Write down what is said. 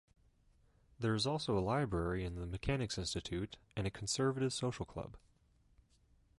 There is also a library in the Mechanics Institute, and a Conservative Social Club.